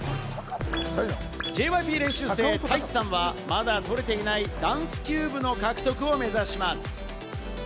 ＪＹＰ練習生・タイチさんは、まだ取れていないダンスキューブの獲得を目指します。